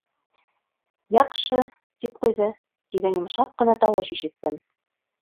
— Яҡшы, — тип ҡуйҙы. — тигән йомшаҡ ҡына тауыш ишеттем.